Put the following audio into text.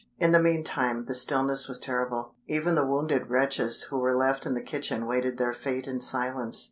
In the meantime the stillness was terrible. Even the wounded wretches who were left in the kitchen waited their fate in silence.